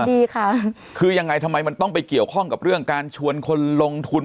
ดีค่ะคือยังไงทำไมมันต้องไปเกี่ยวข้องกับเรื่องการชวนคนลงทุน